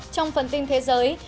trong phần tin thế giới